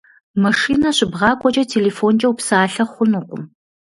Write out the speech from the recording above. Машинэ щыбгъакӏуэкӏэ телефонкӏэ упсалъэ хъунукъым.